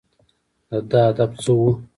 د ده هدف څه و ؟